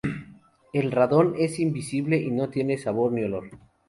El radón es invisible y no tiene sabor ni olor.